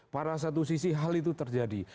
pada satu sisi hal itu terjadi